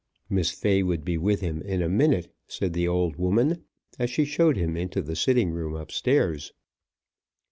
Miss Fay would be with him in a minute, said the old woman as she showed him into the sitting room up stairs.